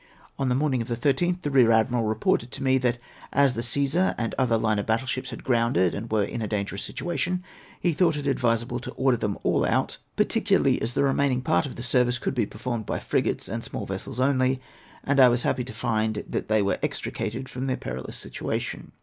On the morning of the loth, the Kear Admiral reported to me, that as the Gcesar and other line of battle ships had grounded, and were in a dangerous situation, he thought it advisable to order them all out, particularly as the remaining part of the service could be performed b}^ frigates and small vessels only ; and I was happy to find that they were extricated from their peril ous situation.